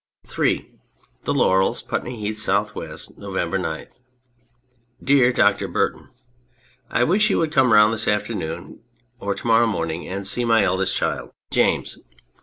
Ill The Laurels, Putney Heath, S. W. November 9. DEAR DOCTOR BURTON, I wish you would come round this after noon or to morrow morning and see my eldest child, 199 On Anything James.